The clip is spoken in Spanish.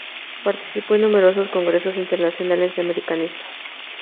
Participó en numerosos congresos internacionales de americanistas.